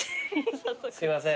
すいません。